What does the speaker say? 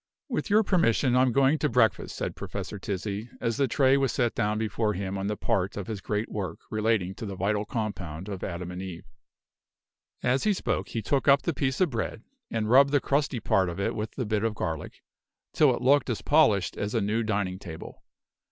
"With your permission, I am going to breakfast," said Professor Tizzi, as the tray was set down before him on the part of his great work relating to the vital compound of Adam and Eve. As he spoke, he took up the piece of bread, and rubbed the crusty part of it with the bit of garlic, till it looked as polished as a new dining table.